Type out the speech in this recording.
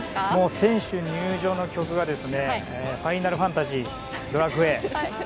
選手入場の曲が「ファイナルファンタジー」「ドラクエ」